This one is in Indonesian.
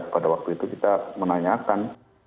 pada waktu itu kita menanyakan